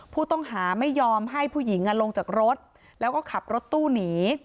ผู้ต้องหาไม่ยอมให้ผู้หญิงลงจากรถแล้วก็ขับรถตู้หนี